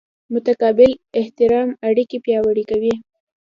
متقابل احترام اړیکې پیاوړې کوي.